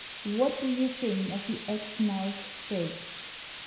What do you think of the Exmouth Stakes